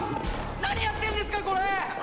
何やってんですかこれ！